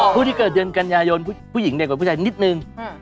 ผู้ที่เกิดเดือนกันยายนผู้หญิงเด็กกว่าผู้ชายนิดนึง